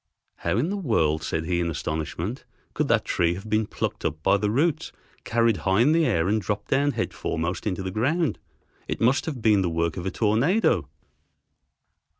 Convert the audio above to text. "How in the world," said he in astonishment, "could that tree have been plucked up by the roots, carried high in the air, and dropped down head foremost into the ground. It must have been the work of a tornado."